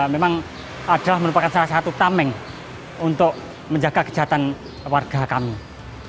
memang adalah merupakan salah satu tameng untuk menjaga kejahatan warga kami